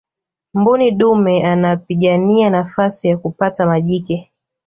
mbuni dume anapigania nafasi ya kupata majike